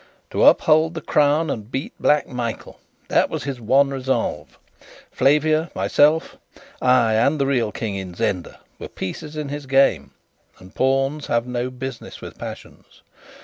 To uphold the Crown and beat Black Michael that was his one resolve. Flavia, myself ay, and the real King in Zenda, were pieces in his game; and pawns have no business with passions.